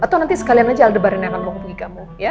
atau nanti sekalian aja aldebaran dan enan menghubungi kamu